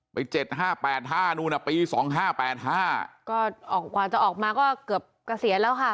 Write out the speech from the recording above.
เจ็ดห้าแปดห้านู้นอ่ะปีสองห้าแปดห้าก็ออกกว่าจะออกมาก็เกือบเกษียณแล้วค่ะ